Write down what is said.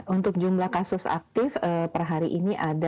untuk jumlah kasus aktif per hari ini ada